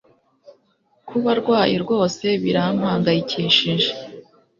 Kuba arwaye rwose birampangayikishije